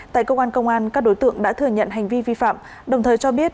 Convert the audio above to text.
tại công an công an các đối tượng đã thừa nhận hành vi vi phạm đồng thời cho biết